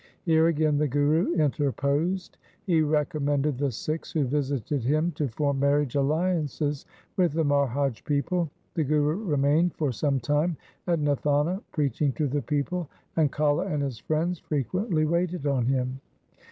Here again the Guru interposed. He recom mended the Sikhs who visited him to form marriage alliances with the Marhaj people. The Guru remained for some time at Nathana preaching to the people, and Kala and his friends frequently waited on him.